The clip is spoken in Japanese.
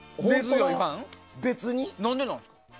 何でなんですか？